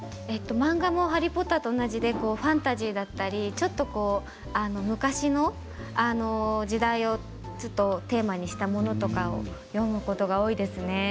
「ハリー・ポッター」と同じで、ファンタジーで昔の時代をテーマにしたものとか読むことが多いですね。